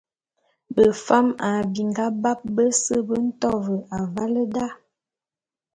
Befam a binga bap bese be nto ve avale da.